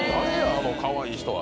あのかわいい人は」